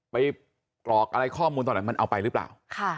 กรอกอะไรข้อมูลตอนไหนมันเอาไปหรือเปล่า